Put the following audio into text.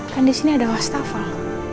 kan di sini ada wastafel